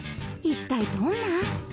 一体どんな？